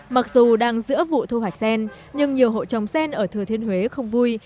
mặc dù đang giữa vụ thu hoạch sen nhưng nhiều hộ trồng sen ở thừa thiên huế không vui